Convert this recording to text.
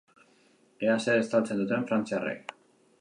Ea zer estaltzen duten frantziarrek.